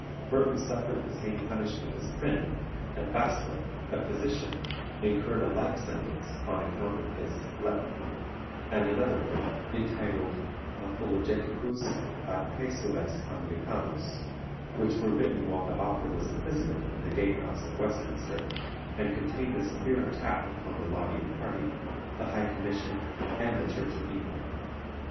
Burton suffered the same punishment as Prynne; and Bastwick, a physician, incurred a like sentence on account of his Letany, and another work entitled Apologeticus ad Praesules Anglicanos, which were written while the author was a prisoner in the Gatehouse of Westminster, and contained a severe attack upon the Laudian party, the High Commission, and the Church of England.